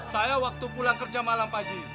saya waktu pulang kerja malam pak ji